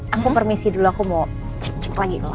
aku permisi dulu aku mau cek cek lagi